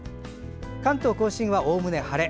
関東・甲信はおおむね晴れ。